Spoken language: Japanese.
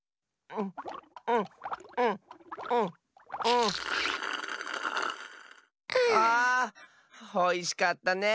おいしかったね！